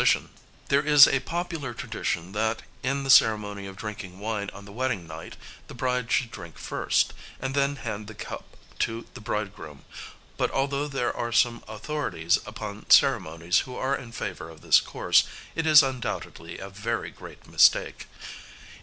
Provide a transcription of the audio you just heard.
] There is a popular tradition that, in the ceremony of drinking wine on the wedding night, the bride should drink first, and then hand the cup to the bridegroom; but although there are some authorities upon ceremonies who are in favour of this course, it is undoubtedly a very great mistake.